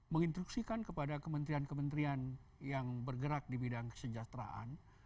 menginstruksikan kepada kementrian kementrian yang bergerak di bidang kesejahteraan